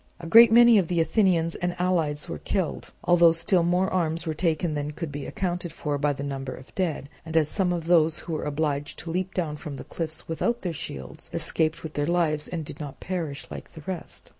A great many of the Athenians and allies were killed, although still more arms were taken than could be accounted for by the number of the dead, as some of those who were obliged to leap down from the cliffs without their shields escaped with their lives and did not perish like the rest.